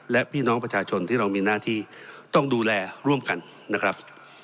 และพี่น้องประชาชนที่เรามีหน้าที่ต้องดูแลร่วมกันนะครับ